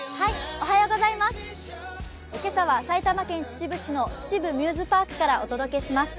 今朝は埼玉県秩父市の秩父ミューズパークからお伝えします。